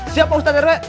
siap pak ustadz rw